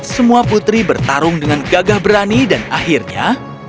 semua putri bertarung dengan gagah berani dan akhirnya